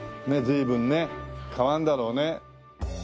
随分ね変わるんだろうね。